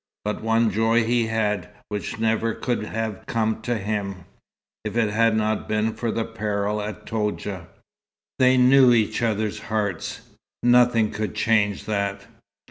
But one joy he had, which never could have come to him, if it had not been for the peril at Toudja. They knew each other's hearts. Nothing could change that.